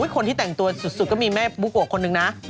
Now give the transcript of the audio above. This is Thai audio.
คนที่แต่งตัวสุดก็มีแม่บุ๊กโกะคนนึงนะ